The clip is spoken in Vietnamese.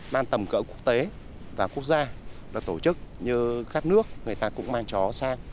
mang tầm cỡ quốc tế và quốc gia là tổ chức như khát nước người ta cũng mang chó sang